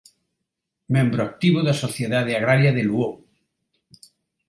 Membro activo da sociedade agraria de Luou.